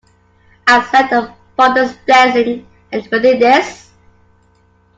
Accept a father's blessing, and with it, this.